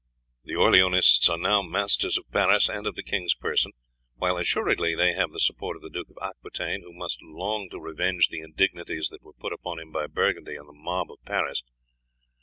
The Orleanists are now masters of Paris and of the king's person, while assuredly they have the support of the Duke of Aquitaine, who must long to revenge the indignities that were put upon him by Burgundy and the mob of Paris.